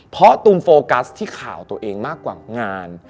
เพราะตูมโฟกัสที่ข่าวตัวเองมากกว่างาน